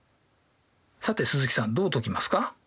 さて鈴木さんどう解きますか？